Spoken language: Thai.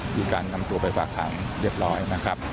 มีการนำตัวไปฝากหางเรียบร้อยนะครับ